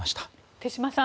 手嶋さん